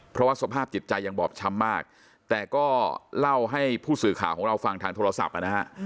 เพราะว่าสภาพจิตใจยังบอบช้ำมากแต่ก็เล่าให้ผู้สื่อข่าวของเราฟังทางโทรศัพท์นะฮะ